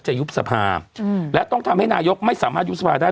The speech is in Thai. ยุบสภาและต้องทำให้นายกไม่สามารถยุบสภาได้